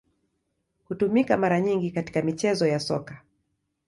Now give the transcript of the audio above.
Hutumika mara nyingi katika michezo ya Soka.